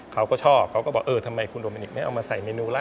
เขาก็ชอบเขาก็บอกเออทำไมคุณโอมินิกไม่เอามาใส่เมนูล่ะ